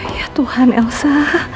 ya tuhan elsa